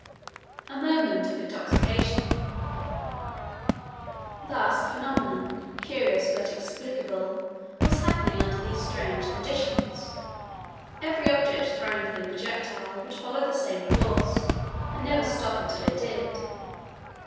A MOMENT OF INTOXICATION Thus a phenomenon, curious but explicable, was happening under these strange conditions. Every object thrown from the projectile would follow the same course and never stop until it did.